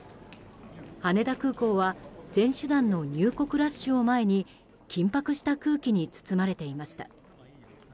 羽田空港は選手団の入国ラッシュを前に緊迫した空気に包まれていました。